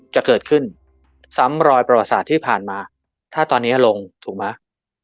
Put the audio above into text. จะเกิดขึ้นซ้ำรอยประวัติศาสตร์ที่ผ่านมาถ้าตอนนี้ลงถูกไหม